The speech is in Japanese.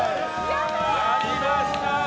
やりました！